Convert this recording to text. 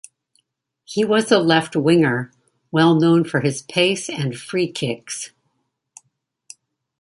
He was a left winger, well known for his pace and free-kicks.